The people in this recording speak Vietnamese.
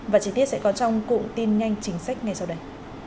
và chi tiết sẽ có trong cụm tin nhanh chính sách ngay sau đây